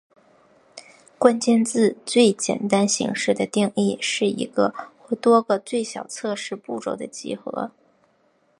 关键字最简单形式的定义是一个或多个最小测试步骤的集合。